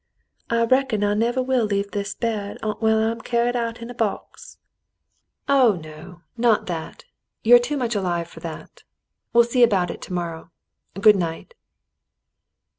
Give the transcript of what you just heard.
I reckon I never will leave this bed ontwell I'm cyarried out in a box." The Mountain People £S "Oh, no, not that ! You're too much ahve for that. We'll see about it to morrow. Good night."